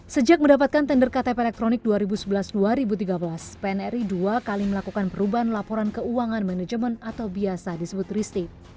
sejak mendapatkan tender ktp elektronik dua ribu sebelas dua ribu tiga belas pnri dua kali melakukan perubahan laporan keuangan manajemen atau biasa disebut risti